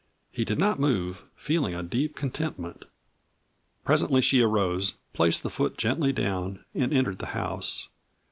He did not move, feeling a deep contentment. Presently she arose, placed the foot gently down, and entered the house.